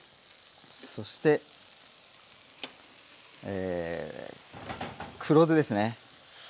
そして黒酢ですね。